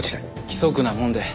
規則なもんで。